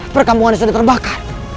perkambungannya sudah terbakar